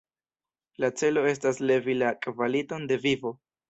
La celo estas levi la kvaliton de vivo.